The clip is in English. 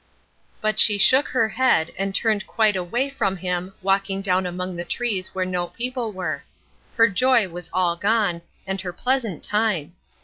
But she shook her head, and turned quite away from him, walking down among the trees where no people were. Her joy was all gone, and her pleasant time.